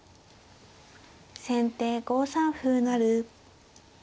先手５三歩成。